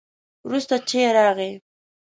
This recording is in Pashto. وروسته چای راغی.